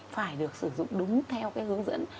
phải được sử dụng đúng theo cái hướng dẫn